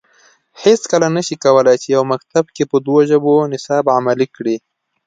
هیڅکله نه شي کولای چې یو مکتب کې په دوه ژبو نصاب عملي کړي